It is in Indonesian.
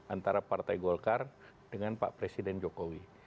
antara partai golkar dengan pak presiden jokowi